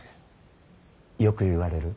よく言われる。